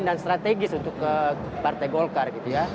dan strategis untuk ke partai golkar